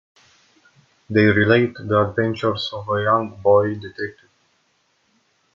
They relate the adventures of a young boy detective.